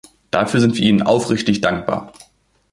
Dafür sind wir Ihnen aufrichtig dankbar.